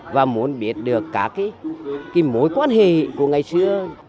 và muốn biết được cả cái mối quan hệ của ngày xưa